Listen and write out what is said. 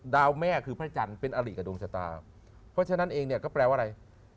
แม่คือพระจันทร์เป็นอลิกับดวงชะตาเพราะฉะนั้นเองเนี่ยก็แปลว่าอะไร